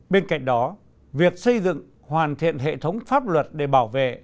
bên cạnh đó việc xây dựng hoàn thiện hệ thống pháp luật để bảo vệ